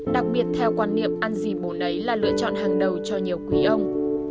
đặc biệt theo quan niệm ăn gì bổ lấy là lựa chọn hàng đầu cho nhiều quý ông